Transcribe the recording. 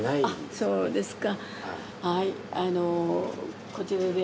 そうですか。